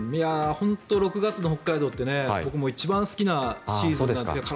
本当に６月の北海道って僕も一番好きなシーズンなんですけどね